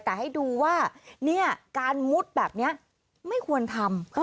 แต่ให้ดูว่าการมุดแบบนี้ไม่ควรทำ